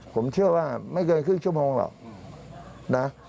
ผมเชื่อว่าไม่เกินครึ่งชั่วโมงหรอกนะ